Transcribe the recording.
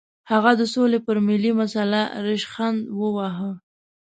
هغه د سولې پر ملي مسله ریشخند وواهه.